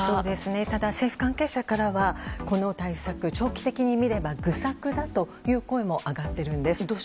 ただ、政府関係者からはこの対策、長期的に見れば愚策だという声も上がっているんです。